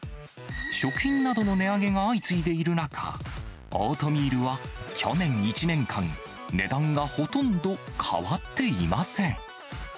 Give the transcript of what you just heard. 食品などの値上げが相次いでいる中、オートミールは去年１年間、値段がほとんど変わっていません。